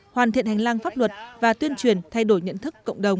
hoàn thiện hành lang pháp luật và tuyên truyền thay đổi nhận thức cộng đồng